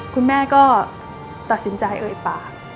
คุณแม่ก็ตัดสินใจเอ่ยปาก